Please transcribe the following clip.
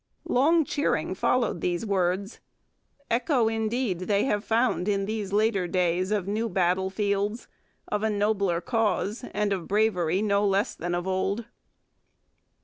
Long cheering followed these words. Echo, indeed, they have found in these later days of new battlefields, of a nobler cause and of bravery no less than of old.